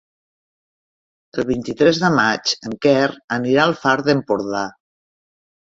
El vint-i-tres de maig en Quer anirà al Far d'Empordà.